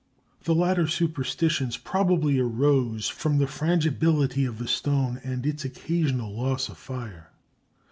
The latter superstitions probably arose from the frangibility of the stone and its occasional loss of fire.